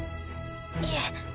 いえ。